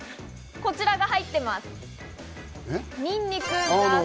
こちらが入ってます。